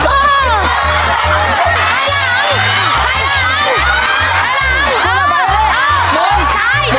ไปเร็วเร็วไปออกมาเร็ว